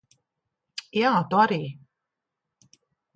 Jā, tu arī.